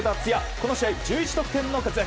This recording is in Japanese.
この試合１１得点の活躍。